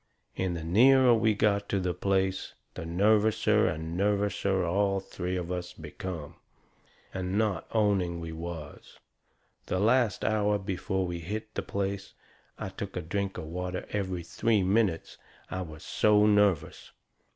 And the nearer we got to the place the nervouser and nervouser all three of us become. And not owning we was. The last hour before we hit the place, I took a drink of water every three minutes, I was so nervous.